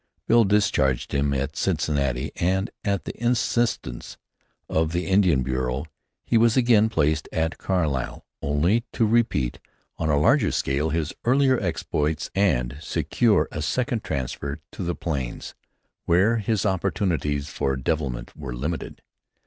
Bill discharged him at Cincinnati and, at the instance of the Indian Bureau, he was again placed at Carlisle, only to repeat on a larger scale his earlier exploits and secure a second transfer to the Plains, where his opportunities for devilment were limited.